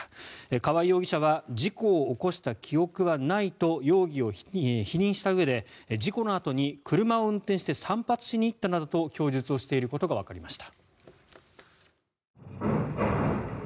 川合容疑者は事故を起こした記憶はないと容疑を否認したうえで事故のあとに車を運転して散髪しに行ったなどと供述をしていることがわかりました。